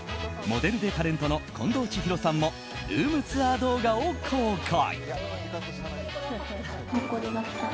モデルでタレントの近藤千尋さんもルームツアー動画を公開。